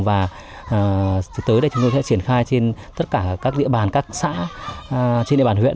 và tới đây chúng tôi sẽ triển khai trên tất cả các địa bàn các xã trên địa bàn huyện